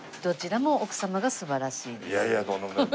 いやいやとんでもない。